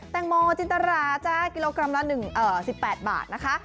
แตงโมจินตราจ้ากิโลกรัมละ๑๘บาทนะคะ